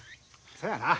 そやな。